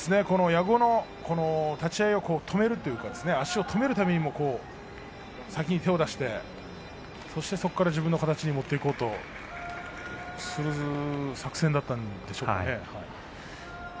矢後の立ち合いを止めるためにも先に手を出してそこから自分の形に持っていこうとする作戦だったんでしょうけれどね。